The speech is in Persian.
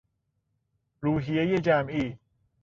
روحیهی جمعی